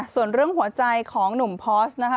ส่วนเรื่องหัวใจของหนุ่มพอร์สนะคะ